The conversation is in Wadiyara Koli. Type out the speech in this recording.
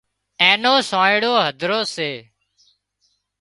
اين نو سانئيڙو هڌرو سي